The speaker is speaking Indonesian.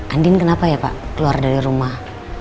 andin kenapa ya pak keluar dari rumah